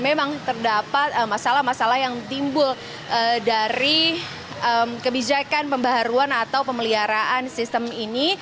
memang terdapat masalah masalah yang timbul dari kebijakan pembaruan atau pemeliharaan sistem ini